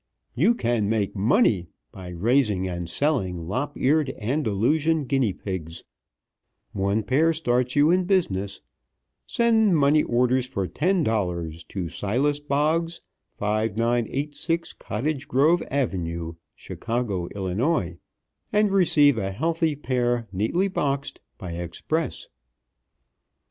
YOU CAN MAKE MONEY by raising and selling Lop eared Andalusian Guinea pigs. One pair starts you in business. Send money order for $10 to Silas Boggs, 5986 Cottage Grove Avenue, Chicago, HI., and receive a healthy pair, neatly boxed, by express."